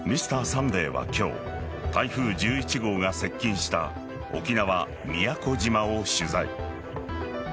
「Ｍｒ．サンデー」は今日台風１１号が接近した沖縄・宮古島を取材。